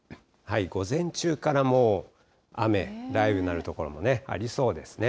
午前中から、もう雨、雷雨になる所もありそうですね。